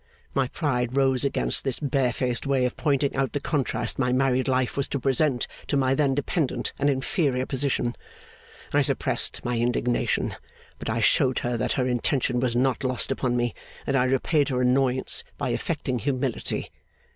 My pride rose against this barefaced way of pointing out the contrast my married life was to present to my then dependent and inferior position. I suppressed my indignation; but I showed her that her intention was not lost upon me, and I repaid her annoyance by affecting humility.